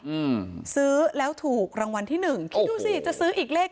อืมซื้อแล้วถูกรางวัลที่หนึ่งคิดดูสิจะซื้ออีกเลข